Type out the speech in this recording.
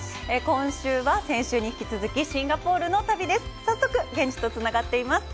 今週は先週に引き続き、シンガポールの旅です。